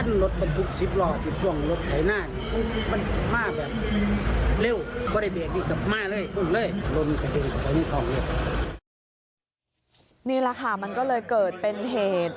นี่แหละค่ะมันก็เลยเกิดเป็นเหตุ